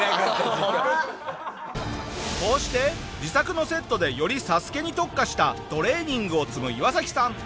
こうして自作のセットでより『ＳＡＳＵＫＥ』に特化したトレーニングを積むイワサキさん。